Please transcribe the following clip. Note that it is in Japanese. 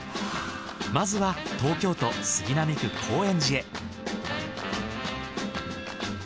まずは東京都杉並区高円寺へ。